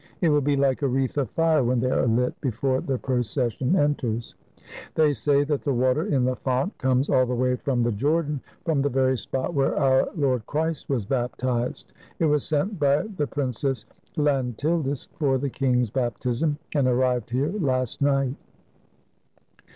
It will be like a wreath of fire when they are Ht, before the proces sion enters. They say that the water in the font comes all the way from the Jordan, from the very spot where our Lord Christ was baptized. It was sent by the Prin cess Llantildis for the king's baptism, and arrived here last night."